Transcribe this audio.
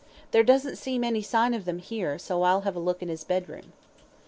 There doesn't seem any sign of them here, so I'll have a look in his bedroom."